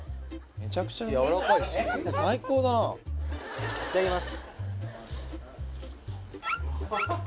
めちゃくちゃやわらかいし最高だないただきます